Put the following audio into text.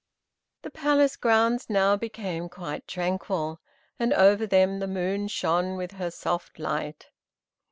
The palace grounds now became quite tranquil, and over them the moon shone with her soft light.